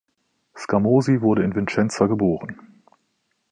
Scamozzi wurde in Vicenza geboren.